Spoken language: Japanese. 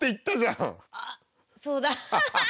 あっそうだ。